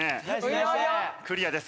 クリアです。